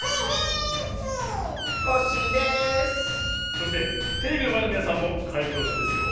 そしてテレビのまえのみなさんもかいとうしゃですよ。